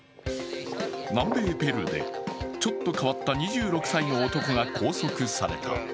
南米ペルーでちょっと変わった２６歳の男が拘束された。